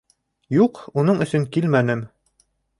Юҡ, уның өсөн килмәнем.